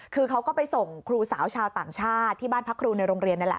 คือเขาก็ไปส่งครูสาวชาวต่างชาติที่บ้านพักครูในโรงเรียนนั่นแหละ